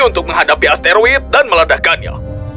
untuk menghadapi asteroid dan meledakannya